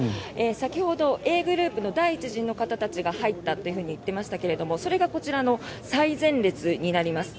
先ほど、Ａグループの第一陣の方が入ったと言っていましたが、それがこちらの最前列になります。